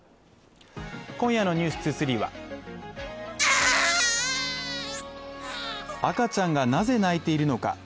今夜の「ｎｅｗｓ２３」は赤ちゃんがなぜないているのか。